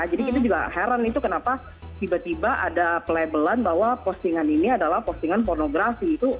jadi kita juga heran itu kenapa tiba tiba ada pelabelan bahwa postingan ini adalah postingan pornografi